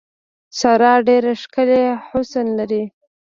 ساره ډېر ښکلی حسن لري.